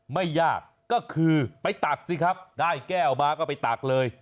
ไม่ยากก็คือไปตักสิครับได้แก้วมาก็ไปตักเลย